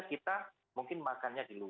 sebenarnya kita mungkin makannya di luar